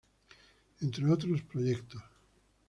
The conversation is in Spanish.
Entre otros proyectos.